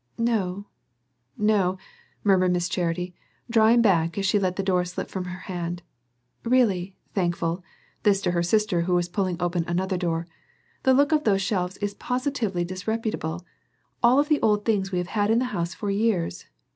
"No, no," murmured Miss Charity, drawing back as she let the door slip from her hand. "Really, Thankful," this to her sister who was pulling open another door, "the look of those shelves is positively disreputable all the old things we have had in the house for years.